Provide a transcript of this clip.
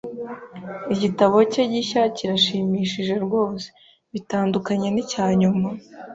Igitabo cye gishya kirashimishije rwose bitandukanye nicyanyuma.